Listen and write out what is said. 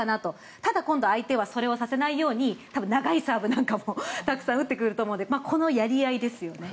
ただ、今度相手はそれをさせないように多分長いサーブなんかもたくさん打ってくると思うのでこのやり合いですよね。